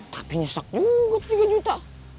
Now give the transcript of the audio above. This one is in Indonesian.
tapi nyesek juga tuh tiga juta